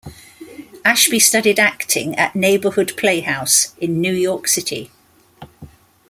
Ashby studied acting at Neighborhood Playhouse in New York City.